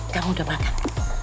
kamu udah makan